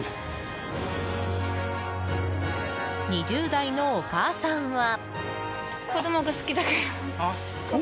２０代のお母さんは。